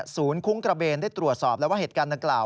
คุ้งกระเบนได้ตรวจสอบแล้วว่าเหตุการณ์ดังกล่าว